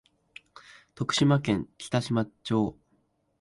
徳島県北島町